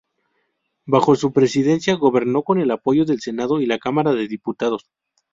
Bajo su presidencia, gobernó con el apoyo del Senado y la Cámara de Diputados.